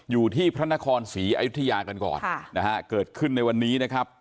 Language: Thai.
อยู่ที่พระนครศรีอยุธยากันก่อนนะฮะเกิดขึ้นในวันนี้นะครับ